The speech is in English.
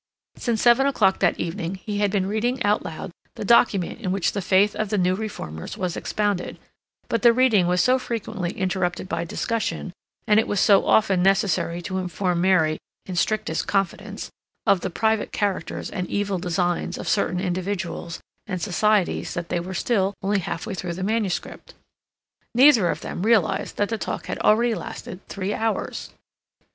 Since seven o'clock that evening he had been reading out loud the document in which the faith of the new reformers was expounded, but the reading was so frequently interrupted by discussion, and it was so often necessary to inform Mary "in strictest confidence" of the private characters and evil designs of certain individuals and societies that they were still only half way through the manuscript. Neither of them realized that the talk had already lasted three hours.